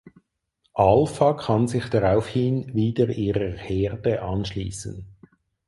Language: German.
Alpha kann sich daraufhin wieder ihrer Herde anschließen.